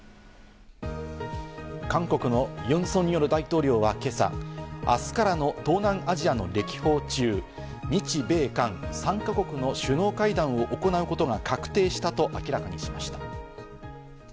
韓国のユン・ソンニョル大統領は今朝、明日からの東南アジアの歴訪中、日米韓、３か国の首脳会談を行うことが確定したと明らかにしました。